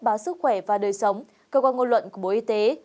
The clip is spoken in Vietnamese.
báo sức khỏe và đời sống cơ quan ngôn luận của bộ y tế